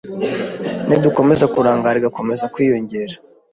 nidukomeza kurangara igakomeza kwiyongera,